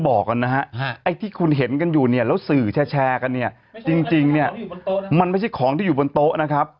มันก็ไม่ใช่ของที่อยู่บนโต๊ะนะครับ